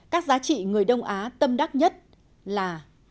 các giá trị người đông á tâm đắc nhất là